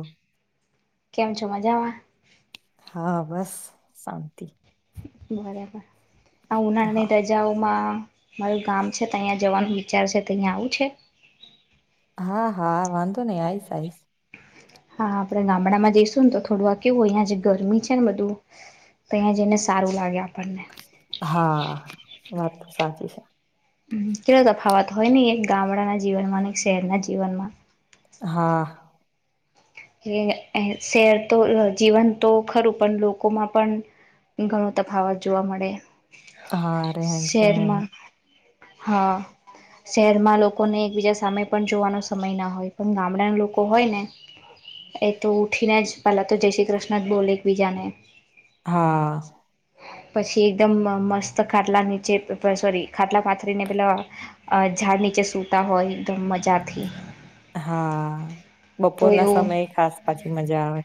હ કેમ છો મજામાં હા બસ શાંતિ બરાબર આ હા ઉનાળાની રજાઓ માં મારું ગામ છે તો અહંયા જવાનું વિચાર છે તો અહીં આવું છે? હા હા વાંધો નહી આવીઈશ આઈશ હા, આપડણે ગામડામાં જઈશું ને તો થોડું કેવું અહં જે ગરમી છે, ને બધું તો અહિયાંયા જઈને સારું લાગે આપણને હા વાત સાચી છે, કેલો તફાવત હોય નહ એક ગામડાના જીવનમાં અને એક શહેરના જીવનમાં હા શહેર તો જીવન તો ખરું પણ લોકોમાં પણ ઘણો તફાવત જોવા મળે. હા રહેન સન શહેરમાં હા, શહેરમાં લોકોને એકબીજા સામે પણ જોવાનો સમય ના હોય પણ ગામડાના લોકો હોય ને એ તો ઉઠીને જ પેલા તો જય શ્રી કૃષ્ણ જ બોલે એકબીજા ને હા પછી એકદમ મસ્ત ખાટલા નીચે સોરી ખાટલા પાથરીને પેલા ઝાડ નીચે સૂતા હોય, એકદમ મજાથી હા તો બપોર ના એવું સમય ખાસ પાછી મજા આવે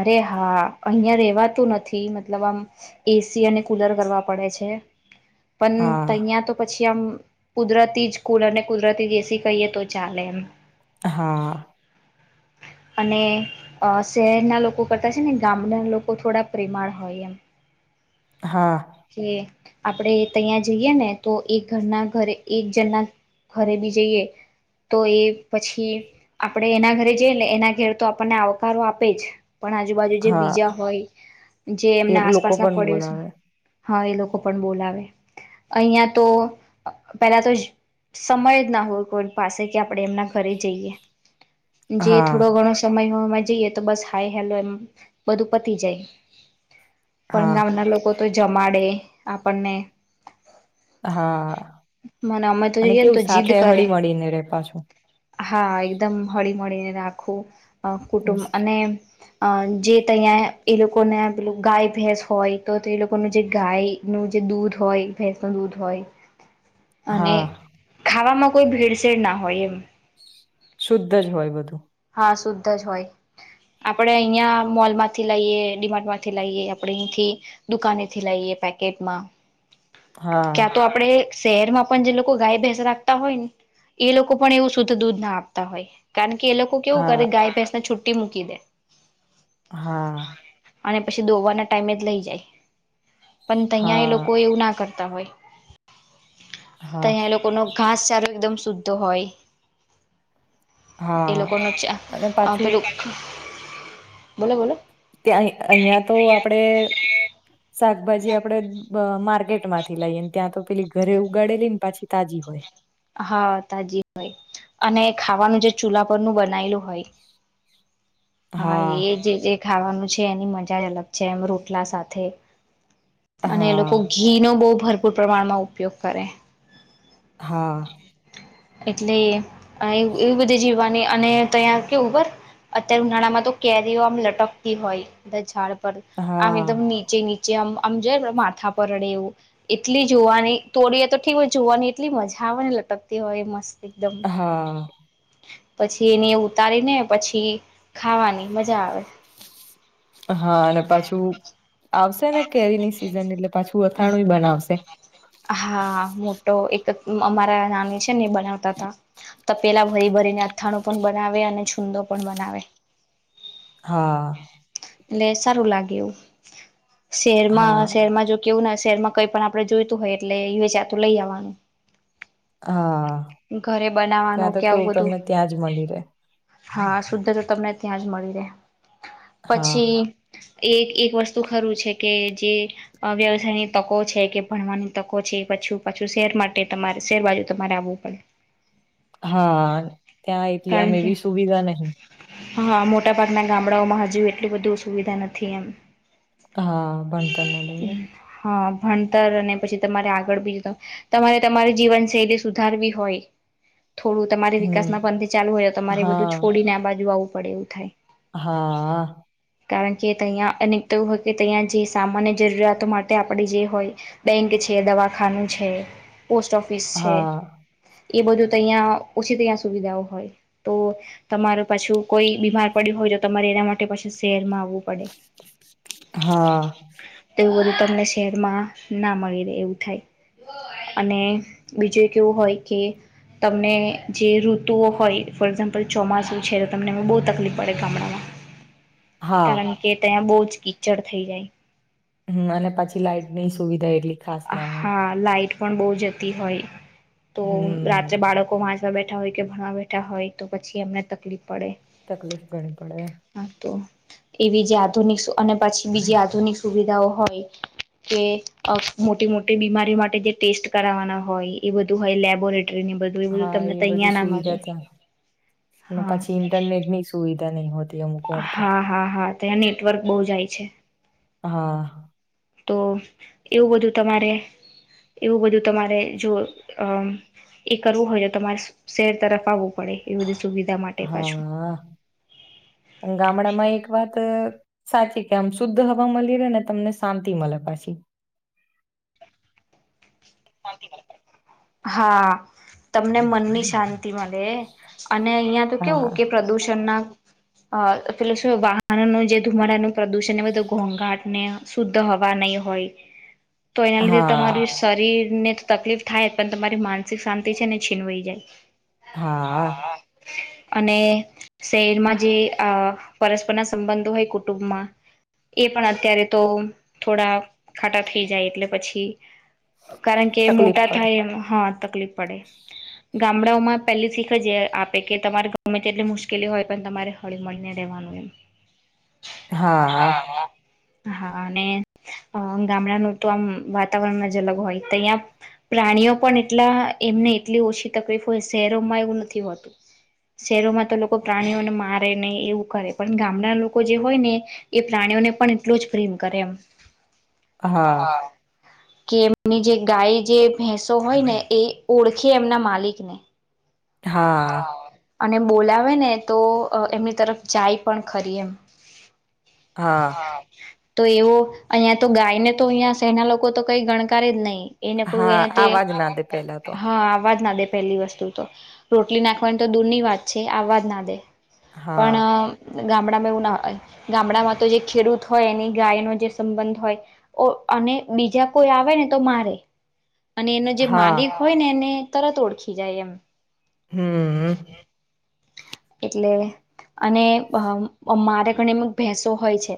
અરે હા અહિયાં રેવાતું નથી, મતલબ આમ એસી અને કુલર કરવા પડે છે, પન હા તહીંયા તો પછી કે આમ કુદરતી જ કુલર ને કુદરતી જ એસી કહીએ તો ચાલે એમ. હા અને અ શહે ર ના લોકો કરતા છે, ને ગામડાન લોકો થોડા પ્રેમાળ હોય એમ હા કે આપડે તહીંયા જઈએ ને તો એક ઘરના ઘરે એક જણના ઘરે બી જઈએ તો એ પછી આપડે એના ઘરે જઈને એના ઘેર તો આપણને આવકારો આપે જ પણ આજુબાજુ જે હા બીજા હોય જે એ એમના લોકો આસપાસ ના પણ પડોસ, બોલાવે હા એ લોકો પણ બોલાવે અહીંયા તો પેલા તો સમય જ ના હોય કોઈન પાસે કે આપડે એમના ઘરે જઈએ, જે હા થોડો ઘણો સમય હો જઈએ તો બસ હાય હેલો એમ બધું પતી જાય, પણ હા ગામના લોકો તો જમાડે આપણને હા મને અમે તો અને જઈએ ને તો કેવું જીદ સાથે કરે હળી મળળી રે પાછું, હા એકદમ હળી મળીને રે આખું અ કુટુંબ અને અ જે તહીંયા એ લોકોને પેલું ગાય ભેંસ હોય, તો તે લોકોનું જે ગાય નું જે દૂધ હોય ભેંસ ન દૂધ હોય, અને હા ખાવામાં કોઈ ભેળસેેળ ના હોય એમ. શુદ્ધ જ હોય બધું. હા શુદ્ધ જ હોય. આપણે અહીંયા મોલ માંથી લાઈએ, ડીમાર્ટ માંથી લાઈએ, આપડે અહીંથી દુકાનેથી લઈએ પેકેટમાં હા ક્યાં તો આપડે શહેરમાં પણ જે લોકો ગાય ભેસ રાખતા હોય ને એ લોકો પણ એવું શુદ્ધ દૂધ ના આપતા હોય, કારણ કે એ લોક કેવું હા કરે ગાય ભેસ ને છૂટ ટી મુકી દે. હા. અને પછી દોવાના ટાઈમે જ લઈ જાય. પણ તૈયા એ હા લોકો એવું ના કર તા હોય. હા તૈયા એ લોકોનો ઘાસચારો એકદમ શુદ્ધ હોય. હા. કોનોચા અને અહ પાછું પેલુ અહ બોલો-બોલો. ત્યાં અહિયાં તો આપડે શાકભાજી આપડે બ માર ર્કેટમાંથી લાઈએ ને ત્યાં તો પેલી ઘરે ઉગાડેલી ને પાછી તાજી હોય. હા તાજી હોય, અને ખાવાનું જે ચૂલા પરનું બનાયેલું હોય. હા એજ જે એક ખાવાનું છે એની મજા જ અલગ છે એમ રોટલા સાથે. અને એ હા લોકો ઘી નો બહુ ભર પૂર પ્રમાણમાં ઉપયોગ કરે. હા. એટલે એવ એવી બધી જીવવાની અને તૈયા કેવું ખબર અત્યારે ઉનાળા તો કેરીઓ આમ લટકતી હોય બધા ઝાડ પર, આમ હા એકદમ નીચે-નીચે આમ આમ જેર માથા પર અડે એવું, એટલી જોવાની તોડીએ તો ઠીક હોય જોવાની એટલી મજ [unintelligible] ને લટકતી હોય એ મસ્ત. હા. પછી એની ઉતારીને પછી ખાવાની મજા આવે. [inaudible] હા અને પાછું આવશે ને કેરી ની સિ સિઝન એટલે પાછું અથાણું એય બનાવશે. હા મોટો એક ક અમારા નાની છે ને એ બનાવતા તા. તો પેલા ભરી ભરીને અથાણું પણ બનાવે અને છૂંદો પણ બનાવે. હાઆ. એટલે સારું લાગે એવું. હા શેરમાં શેરમાં જો કેવું નસ શહેરમાં કઈ પણ આપડે જોઈતું હોય એટલે યુએ જાતું લઈ આવવાનું. હા. ઘરે બનાવાનું ત્યાં તો કે આવું કેવું બધું તમને ત્યાં જ મળી રહે હા, શુદ્ધ જો તમને ત્યાં જ મળી રહે. હા પછી એક એક વસ્તુ ખરું છે કે જે અહ વ્યવસાયની તકો છે કે ભણવાની તકો છે પાછું પાછું શેર માટે તમારે શેર બાજુ તમારે આવું પડ હા ત્યાં એટલી આમ કે એવી સુવિધા નહી. હા, મોટા ભાગના ગામડાઓમાં હજુ એટલલી બધું સુવિધા નથી એમ. હા, ભણતર ના લીલે હા ભણતર અને પછી તમારે આગળ બી જતા તમારે તમારી જીવનશૈલી સુધારવી હોય થોડું તમારી હમ વિકાસના પંથેે ચાલુ હોય તો તમારે બધું છોડીને આ બાજુ આવું પડે એવું થાય. હાઆ. કારણ કે તહીંઆ અને તો હોં કે તહીંયા જે સામાન્ય જરૂરિયાતો માટે આપણે જે હોય બેંક છે, દવાખાનું છે પોસ્ટ ઓફિસ છે. હા એ બધું તો અહીં ઓછી અહીં સુવિધાઓ હોય તો તમારું પાછું કોઈ બીમાર પડ્યું હોય તો તમારે એના માટે પાછી શહેરમાં આવ વુ પડે. હા તેઉ બધું તમને શહેરમાં ના મળી રહેે એવું થાય અને બીજું એક એવું હોય કે તમને જે ઋતુઓ હોય ફોર એક્ઝામ્પલ ચોમાસુું છે તો તમને એ બહુ તકલીફ પડે ગામડામાં. હા કારણ કે ત્યાં બોજ કીચડ થઈ જાય. હમ્મ અને પછી લાઈટ ની સુવિધા એટલી ખાસ ના હોય હા લા લાઈટ પણ બહુ જતી હોય તો રાત્રે હમ બાળકો વાચ તા બેઠા હોય કે ભણવા બેઠા હોય તો પછી એમને તકલીફ પડે તકલીફ ગણી પડે. હા તો એવી જે આધુનિક સો અને પછી બીજી આધુનિક સુવિધાઓ હોય કે અહ મોટી મોટી બીમારીઓ માટે જે ટેસ્ટ કરાવવાના હોય એ બધું હોય લેબોરે હા, એ બધું સુવિધા ત્યાં, ને હા પછી ઇન્ટરનેટ ની સુવિ તા ની હોત હા હા હા ત્યાં નેટવર્ક બહુ જાય છે. હા તો એવું બધું તમારે એવું બધું તમારે જો અ એ કરવું હોય તો તમારે શેર તરફ આવવું પડે એવું હા ગામડામાં એક વાત સાચી કે આમ શુદ્ધ હવા મળી રહે ને તમને શાંતિ મળ પાછી હા તમને મનની શાંતિ મળે અને અહિયાં તો હા કેવું કે પ્રદુષણ ના અ પેલે શું વાહનનું જે ધુમાડાનું પ્રદુષણ એ બધું ઘોંઘાટ ને શુદ્ધ હવા નહી હોય. તો એના લીધે તમારી હા શરીર ને તો તકલીફ થાય પણ તમારી માનસિક શાંતિ છે ને છીનવાઈ જાય. હા અને શહેરમાં જે પરસ્પરના સંબંધો હોય કુટુંબમાં એ પણ અત્યારે તો થોડા ખાટા થઈ જાય એટલે પછી- કારણ કે તકલીફ મોટા પડે થાય એમ હ તકલીફ પડે ગામડાઓમાં પેલી શીખ જ આપે કે તમારા ગમાં તેટલી મુશ્કેલી હોય પણ તમારે હળી મળળીને રહેેવાનું એમ હા હા અને ગામડાનું તો આમ વાતાવરણ જ અલગ હોય અહીં પ્રાણીઓ પણ એટલા એમને એટલી ઓછી તકલીફ હોય શહેરોમાં એવું નથી હોતું શહેરોમાં તો લોકો પ્રાણીઓને મારે ને એવું કરે પણ ગામડા લોકો જે હોય ને એ પ્રાણીઓને પણ એટલો જ પ્રેમ કરે એમ હા કેમ એની જે ગાય જે ભેંસો હોય ને એ ઓળખી એમના માલિકને હા અને બોલાવે ને તો એમની તરફ જાય પણ ખરી એમ હા તો એવો અહીયા તો ગાયને તો અહીંયા સેના લોકો તો કઈ ગણકારારે જ નહીં. એને કું હા એને તે આવાજ ના દે પેલા તો હા આવાજ ના દે પહેલી વસ્તુ તો રોટલી નાખવાની તો દૂરની વાત છે આવાજ ના દે હા, પણ ગામડામાં એવું ના ગામડામાં તો જે ખેડૂત હોય એની ગાય ન જે સંબંધ હોય અને બીજા કોઈ આવે ને તો મારે અને એનો જે હા, માલિક હોય ને એને તરત ઓળખી જાય એમ હમ એટલે અને મારા ઘણીમ ભેંસો હોય છે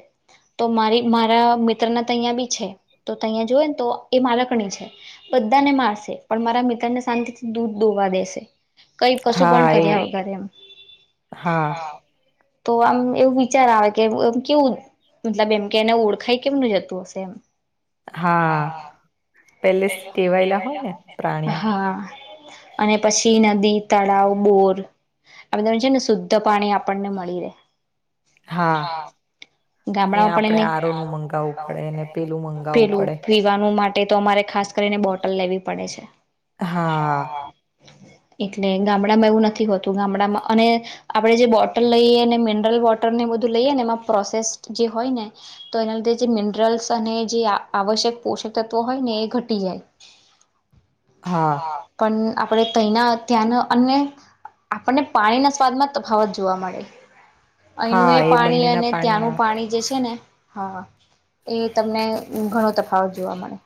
તો મારી મારા મિત્રના અયા બી છે તો તહીયા જોય ને તો એ મારા ઘણી છે બધાને મારશે પણ મારા મિત્રને શાંતિથી દૂધ દોવા દેશે કઈ કશું પણ હા, કર્યા વગર એમ એ-હા. તો આમ એવું વિચાર આવે કેમ, કેવું મતલબ એમ કે એને ઓળખાય કેમ ની જતું હશે? એમ. હા. પહેલેથી ટેવાયેલા હોય ને પ્રાણીઓ. હા અને પછી નદી, તળાવ, બોર, આપને છે ને, શુદ્ધ પાણી આપણને મળી રહે. હા, એ ગામડામાં પણ આપણેે એને આરોનું મગાવવું પડે ને પેલું મગાવવું પેલું પડે. પીવાનું માટે તો અમારે ખાસ કરીને બોટલ લેવી પડે છે. હા. એટલે ગામડામાં એવું નથી હોતું ગામડામાં અને, આપણે જે બોટલ લઈએ ને મિનરલ વોટર ને બધું લઈએ ને એમાં પ્રોસેસ જે હોય ને, તો એના લીધે જે મિનરલ્સ અને જે આવશ્યક પોષક તત્વો હોય ને એ ઘટી જાય. હા, પણ આપણે તઈના ત્યાંના, અને આપણને પાણીના સ્વાદમાં તફાવત જોવા મળે. અહીંનું હા, એ પાણી અને બંનેના ત્યાંનું પાણીમાં પાણી જે છે ને હા. એ તમને ઘણો તફાવત જોવા મળે.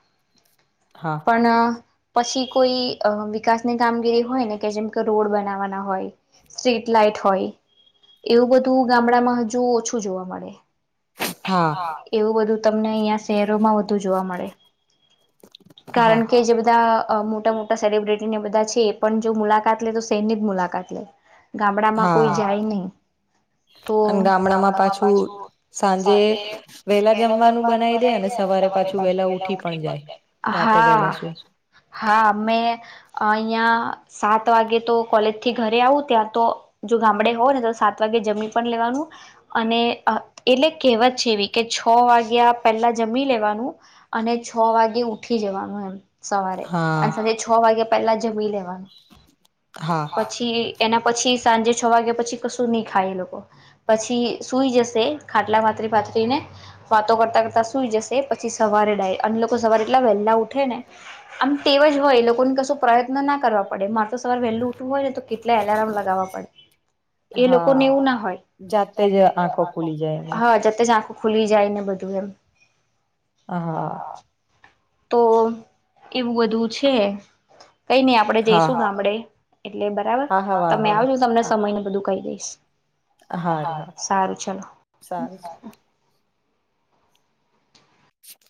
હા, પણ પછી કોઈ વિકાસની કામગીરી હોય, ને કે જેમ કે રોડ બનાવવાના હોય, સ્ટ્રીટ લાાઈટ હોય, એવું બધું ગામડામાં હજુ ઓછું જોવા મળે. હા, એવું બધું. તમને અહીંયા શહેરોમાં જોવા મળે, હા, કારણ કે જે બધા મોટા મોટા સેલિબ્રિટીને બધા છે, એ પણ જો મુલાકાત લે, તો સહેજ મુલાકાત લે. ગામડામાં કોઈ હા, જાય નહીં, તો ગામડામાં પાછું. સાંજે વેલા જમવાનું બનાવી દેને, સવારે પાછું વેલા ઉઠી પણ, હા, હા અમે. અહિયાં સાત વાગે તો કોલેજથી ઘરે આવું. ત્યાં તો જો ગામડે હોવ ને, તો સાત વાગે જમી પણ લેવાનું અને. એટલે કહેવત છે, એવી કે છ વાગ્યા પહેલા જમી લેવાનું અને છ વાગે ઉઠી જવાનું એમ. સવારે અને હા, સાંજે છ વાગયા પછી પેલા જમી લેવા. હા, પછી એના પછી સાંજે છ વાગ્યા પછી કશું નહીં ખાય એ લોકો પછી સૂઈ જશે. ખાટલા પાથરી પાથરી ને વાતો કરતાં કરતા સુઈ જશે. પછી સવારે ડાયરેક અને લોકો સવારે એટલા વહેલા ઉઠે ને, આમ ટેવ જ હોય. એ લોકોને કશો પ્રયત્ન ના કરવા પડે. મારે તો સવાર વહેલું. હો ને, તો કેટલા એલારમ લગાવવા પડે! એ હા, લોકોને એવું ના હોય. જાતે જ આંખો ખુલી જાય એમની હા, જેતે જ આંખ ખુલી જાય ને બધું એમ. હા. તો એવું બધું છે. કઈ નઈ આપડે હા, જઈશું ગામડે. એટલે બરાબર હા, હા તમે વાંધો નહી. આવજો તમને હા, સમય ને બધું કહી દઈશ. હારું, હા, હારું, સારું ચાલો. સારું.